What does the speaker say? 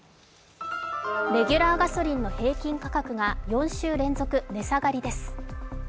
レギュラーガソリンの平均価格が４週連続値下がりです。